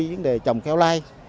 vấn đề trồng kéo lai